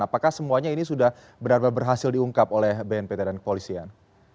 apakah semuanya ini sudah benar benar berhasil diungkap oleh bnpt dan kepolisian